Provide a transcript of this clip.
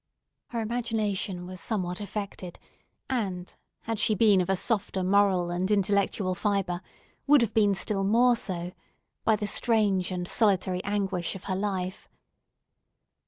Her imagination was somewhat affected, and, had she been of a softer moral and intellectual fibre would have been still more so, by the strange and solitary anguish of her life.